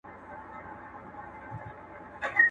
څو اوښان لرې څو غواوي څو پسونه.